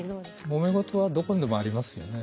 もめ事はどこにでもありますよね。